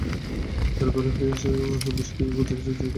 তাঁর বের হয়ে আসার বিষয়টিকে গুজব হিসেব চিহ্নিত করেন লক্ষ্মীপুরের জেল সুপার।